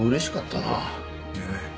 ええ。